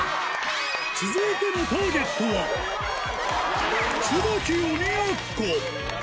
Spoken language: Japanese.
続いてのターゲットは、椿鬼奴。